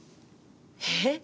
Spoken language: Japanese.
えっ？